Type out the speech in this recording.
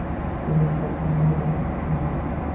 তুমি প্রসন্ন হও, তুমি সুখী হও।